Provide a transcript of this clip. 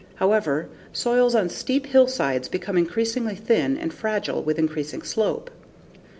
However, soils on steep hillsides become increasingly thin and fragile with increasing slope.